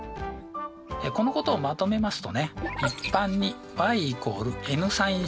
このことをまとめますとね